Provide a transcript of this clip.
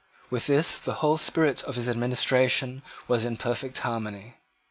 With this law the whole spirit of his administration was in perfect harmony.